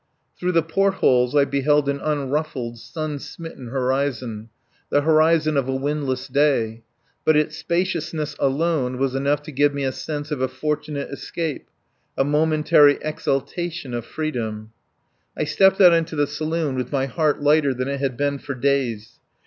Through the port holes I beheld an unruffled, sun smitten horizon. The horizon of a windless day. But its spaciousness alone was enough to give me a sense of a fortunate escape, a momentary exultation of freedom. I stepped out into the saloon with my heart lighter than it had been for days.